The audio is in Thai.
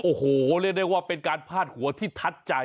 โอ้โหเรียกได้ว่าเป็นการพาดหัวที่ทัดใจ